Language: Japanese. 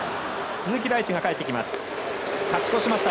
鈴木大地がかえってきました。